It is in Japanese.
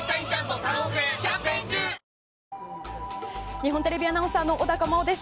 日本テレビアナウンサーの小高茉緒です。